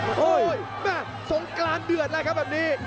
โอ้โหแม่สงกรานเดือดแล้วครับแบบนี้